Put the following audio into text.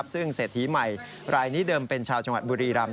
ซึ่งเศรษฐีใหม่รายนี้เดิมเป็นชาวจังหวัดบุรีรำ